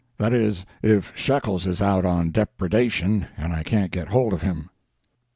That is, if Shekels is out on depredation and I can't get hold of him.